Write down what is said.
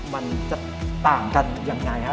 มันจะต่างกันยังไงฮะ